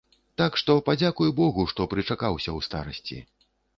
Так што падзякуй богу, што прычакаўся ў старасці.